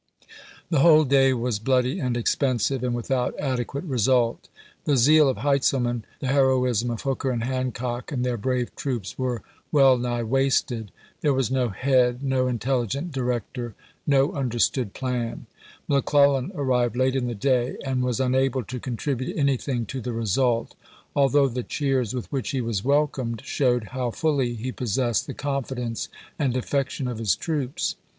The whole day was bloody and expensive, and without adequate result. The zeal of Heintzelman, the heroism of Hooker and Hancock and their brave troops, were well nigh wasted. There was no d/» ABRAHAM LINCOLN Chap. XXI. head, no intelligent director, no understood plan. McClellau arrived late iu the day and was unable to contribute anything to the result, although the cheers with which he was welcomed showed how fully he possessed the confidence and affection of his troops.